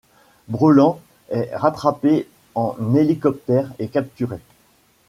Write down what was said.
Brelan est rattrapé en hélicoptère et capturé.